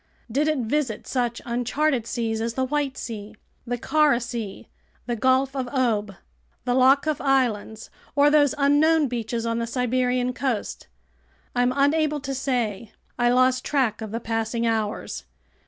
Did it visit such uncharted seas as the White Sea, the Kara Sea, the Gulf of Ob, the Lyakhov Islands, or those unknown beaches on the Siberian coast? I'm unable to say. I lost track of the passing hours.